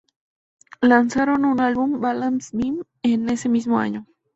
Lanzaron un álbum, "Balance beam", en ese mismo año.